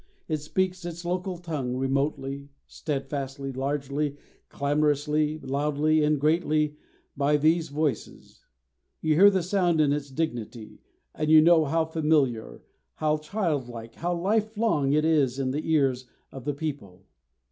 It speaks its local tongue remotely, steadfastly, largely, clamorously, loudly, and greatly by these voices; you hear the sound in its dignity, and you know how familiar, how childlike, how life long it is in the ears of the people.